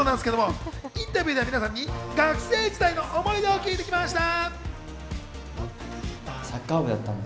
インタビューでは皆さんに学生時代の思い出を聞いてきました。